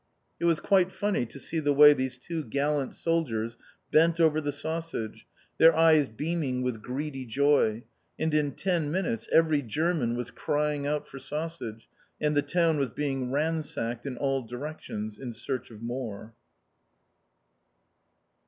It was quite funny to see the way these two gallant soldiers bent over the sausage, their eyes beaming with greedy joy, and in ten minutes every German was crying out for sausage, and the town was being ransacked in all directions in search of more.